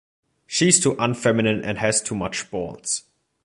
She's too unfeminine and has too much balls.